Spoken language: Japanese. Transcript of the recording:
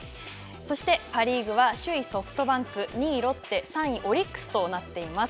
そして、パ・リーグは首位ソフトバンク、２位ロッテ３位オリックスとなっています。